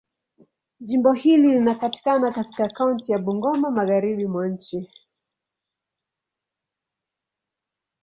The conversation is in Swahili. Jimbo hili linapatikana katika kaunti ya Bungoma, Magharibi mwa nchi.